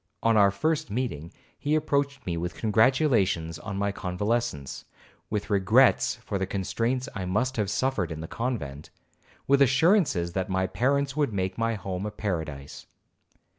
On our first meeting he approached me with congratulations on my convalescence, with regrets for the constraints I must have suffered in the convent, with assurances that my parents would make my home a paradise.